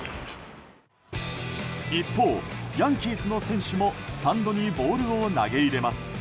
一方、ヤンキースの選手もスタンドにボールを投げ入れます。